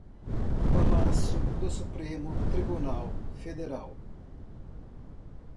Palácio do Supremo Tribunal Federal